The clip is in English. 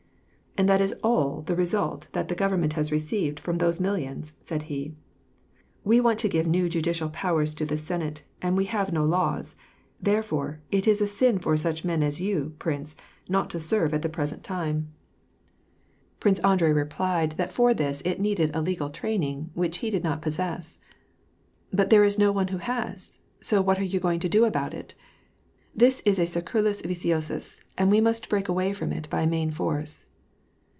''And that is all the re sult that the government has received from those millions," said he. " We want to give new judicial powers to the Senate, and we have no laws. Therefore, it is a sin for such men as you, prince^ not to serve at the present time." 174 WAR AND PEACE. Prince Andrei replied that for this it needed a legal train ing, which he did not possess. ^' But there is no one who has ; so what are yon going to do about it ? This is a circulu^ viciosus, and we must break away from it by main force."